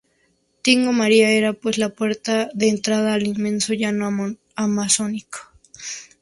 Tingo María era, pues, la puerta de entrada al inmenso llano amazónico.